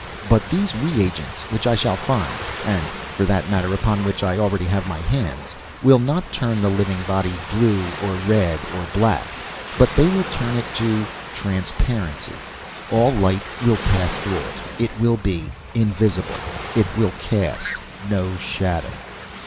But these reagents, which I shall find, and for that matter, upon which I already have my hands, will not turn the living body to blue or red or black, but they will turn it to transparency. All light will pass through it. It will be invisible. It will cast no shadow."